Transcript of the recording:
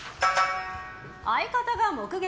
相方が目撃！